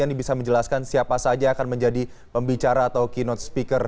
ini bisa menjelaskan siapa saja yang akan menjadi pembicara atau keynote speaker